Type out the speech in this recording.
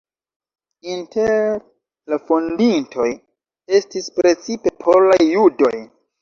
Inter la fondintoj estis precipe polaj judoj.